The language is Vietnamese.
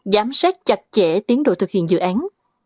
giám sát chặt chẽ tiến độ thực hiện dự án